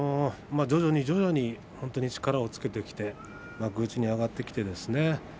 徐々に徐々に本当に力をつけてきて幕内に上がってきてですね